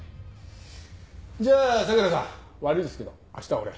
じゃあ佐倉さん悪いですけど明日俺。